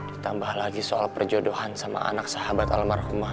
ditambah lagi soal perjodohan sama anak sahabat almarhum mahmah